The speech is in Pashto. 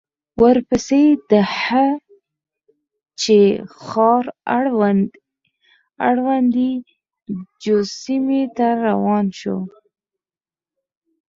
ورپسې د هه چه ښار اړوند اي جو سيمې ته روان شوو.